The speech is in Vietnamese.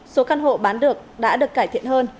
số căn hộ bán được đã được cải thiện hơn